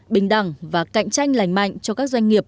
bình đẳng và cạnh tranh lành mạnh cho các doanh nghiệp